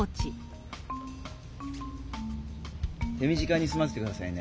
手短にすませて下さいね。